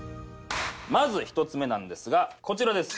まず１つ目なんですがこちらです。